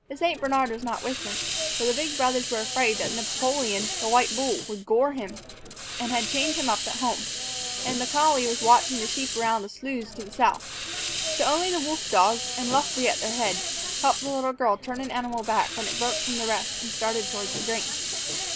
The St. Bernard was not with them, for the big brothers were afraid that Napoleon, the white bull, would gore him, and had chained him up at home; and the collie was watching the sheep around the sloughs to the south. So only the wolf dogs, with Luffree at their head, helped the little girl turn an animal back when it broke from the rest and started toward the grain.